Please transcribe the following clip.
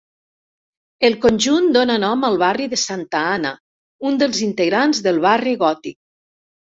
El conjunt dóna nom al barri de Santa Anna, un dels integrants del barri Gòtic.